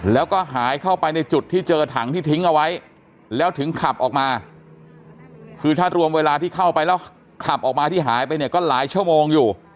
แล้วก็หายเข้าไปในจุดที่เจอถังที่ทิ้งเอาไว้แล้วถึงขับออกมาคือถ้ารวมเวลาที่เข้าไปแล้วขับออกมาที่หายไปเนี่ยก็หลายชั่วโมงอยู่